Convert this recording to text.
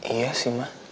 iya sih ma